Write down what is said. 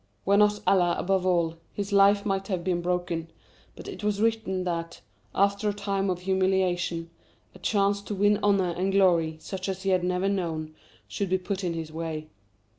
Were not Allah above all, his life might have been broken, but it was written that, after a time of humiliation, a chance to win honour and glory such as he had never known, should be put in his way.